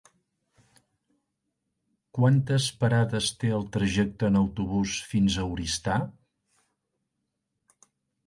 Quantes parades té el trajecte en autobús fins a Oristà?